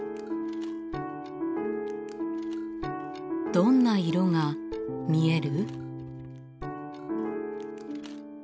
どんな色が見える？